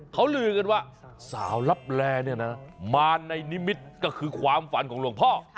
เขาลือกันว่าสาวลับแลมาในนิมิตรก็คือความฝันของหลวงพ่อ